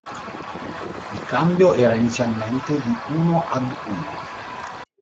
Il cambio era inizialmente di uno ad uno.